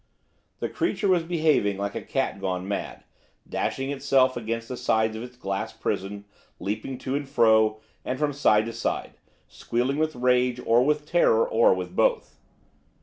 The creature was behaving like a cat gone mad, dashing itself against the sides of its glass prison, leaping to and fro, and from side to side, squealing with rage, or with terror, or with both.